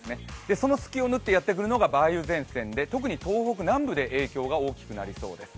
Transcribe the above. その隙を塗ってやってくるのが梅雨前線で特に東北南部で影響が大きくなりそうです。